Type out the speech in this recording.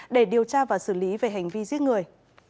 để điều tra và xử lý về hành vi giết người